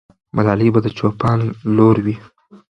ملالۍ به د چوپان لور وي.